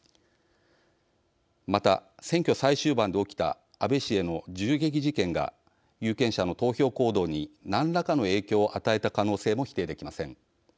また、選挙最終盤で起きた安倍氏への銃撃事件が有権者の投票行動に何らかの影響を与えた可能性も否定できません。